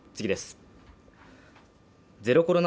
ゼロコロナ